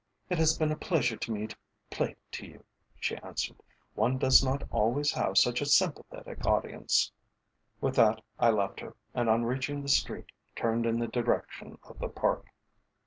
"It has been a pleasure to me to play to you," she answered. "One does not always have such a sympathetic audience." With that I left her, and on reaching the street turned in the direction of the Park.